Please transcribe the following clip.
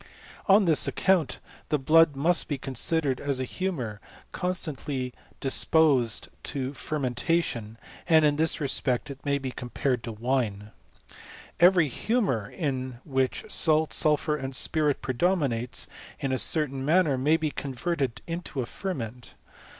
On this account the blood must be considered as a humour, constantly disposed to fer mentation, and in this respect it may be compared to wine. Every himiour in which salt, sulphur, and spirit predominates in a certain manner, may be con , verted into a ferment.